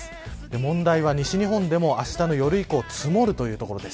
問題は西日本でもあしたの夜以降積もるということです。